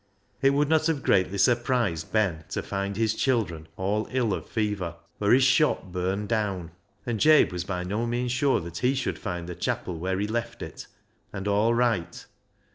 It would not have greatly surprised Ben to find his children all ill of fever, or his shop burned down. And Jabe was by no means sure that he should find the chapel where he left it, and all right.